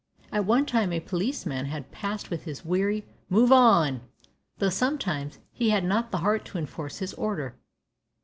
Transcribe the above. At one time a policeman had passed with his weary "move on" though sometimes he had not the heart to enforce his order.